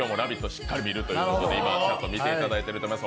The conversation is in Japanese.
しっかりと見るということで今日も見ていただいていると思います。